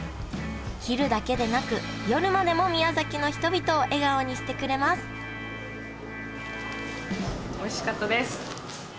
昼だけでなく夜までも宮崎の人々を笑顔にしてくれますおいしかったです。